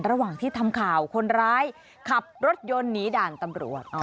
ระหว่างที่ทำข่าวคนร้ายขับรถยนต์หนีด่านตำรวจ